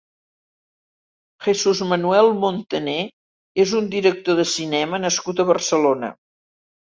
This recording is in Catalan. Jesús Manuel Montané és un director de cinema nascut a Barcelona.